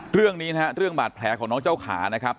เรื่องนี้นะฮะเรื่องบาดแผลของน้องเจ้าขานะครับ